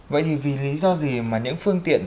vậy thì vì lý do gì mà những phương tiện